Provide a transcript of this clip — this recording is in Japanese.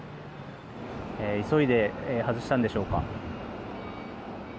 急いで外したんでしょうか。